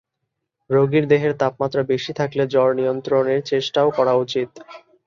রোগীর দেহের তাপমাত্রা বেশি থাকলে জ্বর নিয়ন্ত্রণের চেষ্টাও করা উচিত।